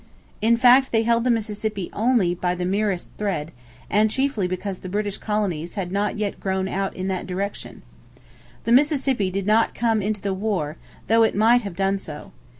In fact, they held the Mississippi only by the merest thread, and chiefly because the British colonies had not yet grown out in that direction. The Mississippi did not come into the war, though it might have done so.